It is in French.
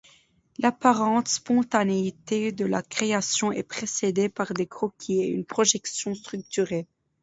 L'apparente spontanéité de la création est précédée par des croquis et une projection structurée.